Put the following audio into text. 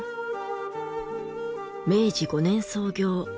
明治５年創業